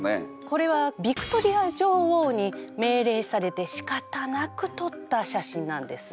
これはビクトリア女王に命令されてしかたなく撮った写真なんです。